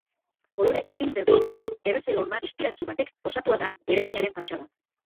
Kolore urdin-berdexkako errezel-horma distiratsu batek osatua da eraikinaren fatxada.